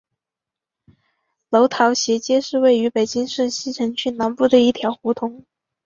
楼桃斜街是位于北京市西城区南部的一条胡同。